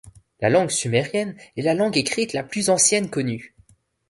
La langue sumérienne est la langue écrite la plus ancienne connue.